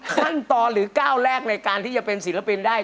ขั้นตอนหรือก้าวแรกในการที่จะเป็นศิลปินได้